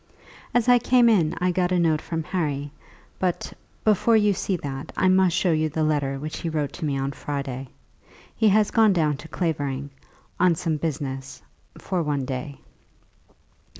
"As I came in I got a note from Harry, but, before you see that, I must show you the letter which he wrote to me on Friday. He has gone down to Clavering, on some business, for one day."